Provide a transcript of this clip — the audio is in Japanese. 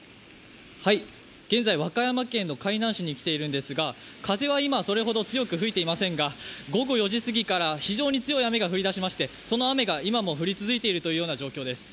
現在和歌山県の海南市に来ているんですが風は今、それほど強く吹いていませんが午後４時すぎから非常に強い雨が降りだしましてその雨が今も降り続いているという状況です。